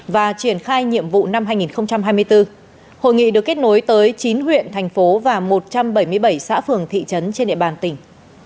và triển khai nhiệm vụ năm hai nghìn hai mươi bốn hội nghị được kết nối tới chín huyện thành phố và một trăm bảy mươi bảy xã phường thị trấn trên địa bàn tỉnh